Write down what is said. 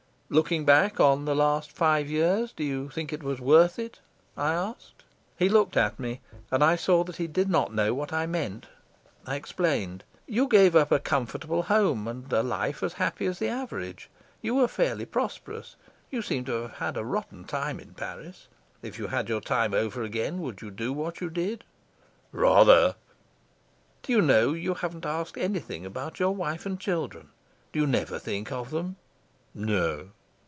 "Looking back on the last five years, do you think it was worth it?" I asked. He looked at me, and I saw that he did not know what I meant. I explained. "You gave up a comfortable home and a life as happy as the average. You were fairly prosperous. You seem to have had a rotten time in Paris. If you had your time over again would you do what you did?" "Rather." "Do you know that you haven't asked anything about your wife and children? Do you never think of them?" "No."